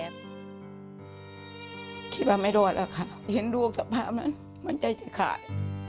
คิดว่าไม่รอดแล้วค่ะเห็นดวงสภาพมันใจจะขาด